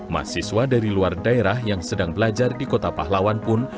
mahasiswa dari luar daerah yang sedang belajar di kota pahlawan pun